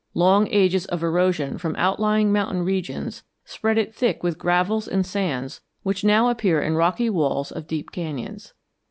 Long ages of erosion from outlying mountain regions spread it thick with gravels and sands which now appear in rocky walls of deep canyons.